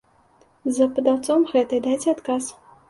З падаўцом гэтай дайце адказ.